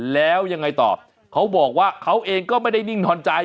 แล้วยังไงต่อเขาบอกว่าเขาเองก็ไม่ได้นิ่งนอนใจ